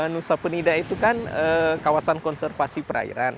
nusa penida itu kan kawasan konservasi perairan